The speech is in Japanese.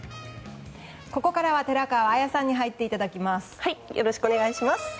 ここからは寺川綾さんに入っていただきます。